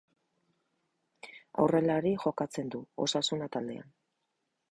Aurrelari jokatzen du, Osasuna taldean.